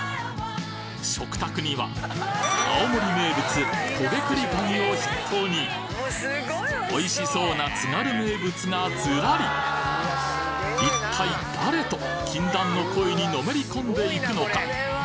食卓には青森名物トゲクリガニを筆頭においしそうな津軽名物がずらり一体誰と禁断の恋にのめり込んでいくのか？